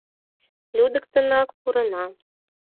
Лӱдыктенак пурена.